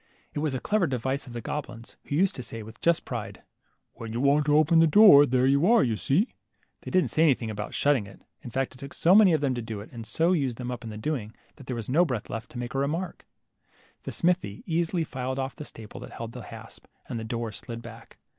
It was a clever device of the goblins, who used to say with just pride, When you want to open the door, there you are, you see !" They didn't say anything about shutting it. In fact it took so many of them to do it, and so used them up in the doing, that there was no breath left to make a remark. The smith easily filed off the staple that held the hasp, and the door slid back.